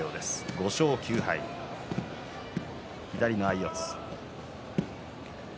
５勝９敗、左の相四つです。